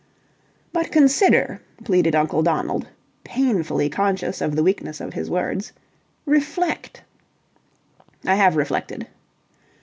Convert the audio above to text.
"But, consider!" pleaded Uncle Donald, painfully conscious of the weakness of his words. "Reflect!" "I have reflected."